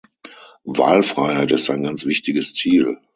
Wahlfreiheit ist ein ganz wichtiges Ziel.